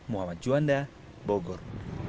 muhammad juanda bogor